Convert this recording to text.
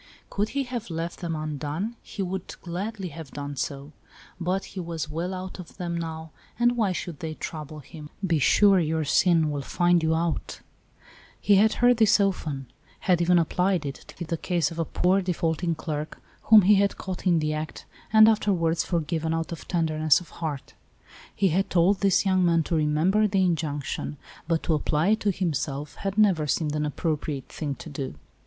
Could he have left them undone, he would gladly have done so; but he was well out of them now, and why should they trouble him ?" Be sure your sin will find you out ;" he had heard this often, had even applied it, to fit the case of a poor defaulting clerk, whom he had caught m the act, and afterwards forgiven out of tender ness of heart. He had told this young man to remember the injunction, but to apply it to him self had never seemed an appropriate thing to do.